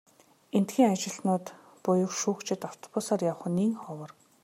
Эндэхийн ажилтнууд буюу шүүгчид автобусаар явах нь нэн ховор.